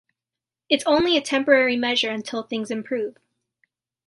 It's only a temporary measure until things improve.